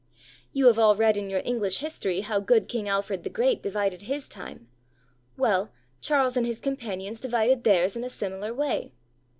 You have all read in your English history how good King Alfred the Great divided his time; well, Charles and his companions divided theirs in a similar way.